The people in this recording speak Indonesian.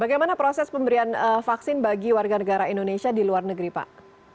bagaimana proses pemberian vaksin bagi warga negara indonesia di luar negeri pak